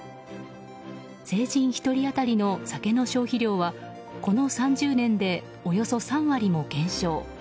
成人１人当たりの酒の消費量はこの３０年で、およそ３割も減少。